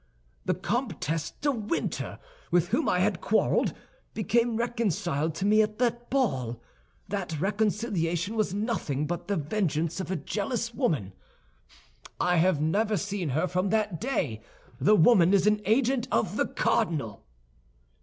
The Comtesse de Winter, with whom I had quarreled, became reconciled to me at that ball. That reconciliation was nothing but the vengeance of a jealous woman. I have never seen her from that day. The woman is an agent of the cardinal."